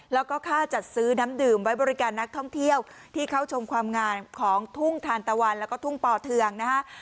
แล้วก็ค่าจัดซื้อน้ำดื่มไว้บริการนักท่องเที่ยวที่เข้าชมความงามของทุ่งทานตะวันแล้วก็ทุ่งป่อเทืองนะฮะ